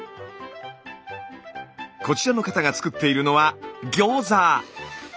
こちらの方が作っているのは餃子。